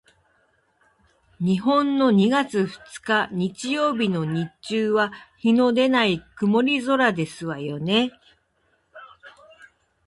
日本の二月二日日曜日の日中は日のでない曇り空ですわよね？